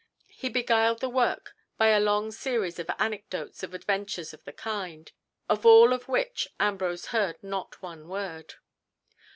He beguiled the work by a long series of anecdotes of adventures of the kind, of all of which Ambrose heard not one word.